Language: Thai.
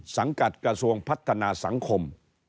สังกัดกระทรวงพัฒนาสังคม